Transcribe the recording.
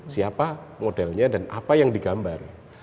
siapa modelnya dan apa yang digambar